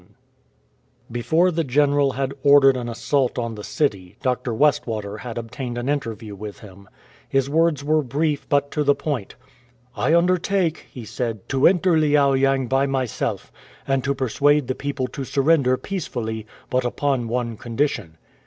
92 AN AMBASSADOR OF PEACE Before the general had ordered an assault upon the city, Dr. Westwater had obtained an interview with him. His words were brief but to the point. " I undertake," he vsaid, " to enter Liao yang by myself, and to persuade the people to surrender peacefully, but upon one condition."